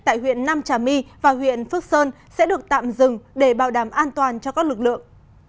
tại huyện nam trà my và huyện phước sơn sẽ được tạm dừng để bảo đảm an toàn cho các lực lượng